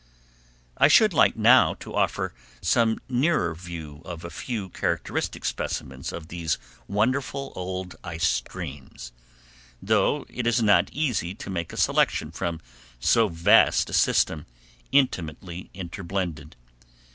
I should like now to offer some nearer views of a few characteristic specimens of these wonderful old ice streams, though it is not easy to make a selection from so vast a system intimately inter blended.